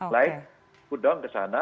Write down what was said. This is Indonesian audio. lain kemudian kesana